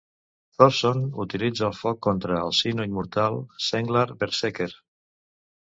Thorsson utilitza el foc contra el si no immortal Senglar Berserker.